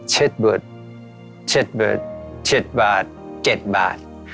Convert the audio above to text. เช็ดเบิร์ดเช็ดเบิร์ดเช็ดบาทเจ็ดบาท